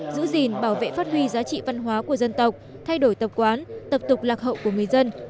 giữ gìn bảo vệ phát huy giá trị văn hóa của dân tộc thay đổi tập quán tập tục lạc hậu của người dân